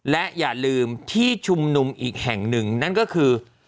และอย่าลืมที่ชุมนุมอีกแห่งหนึ่งนั่นก็คือ